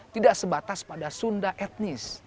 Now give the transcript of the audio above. tidak sebatas pada sunda etnis